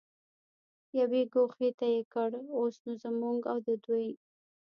یوې ګوښې ته یې کړ، اوس نو زموږ او د دوی.